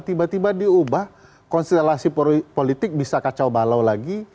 tiba tiba diubah konstelasi politik bisa kacau balau lagi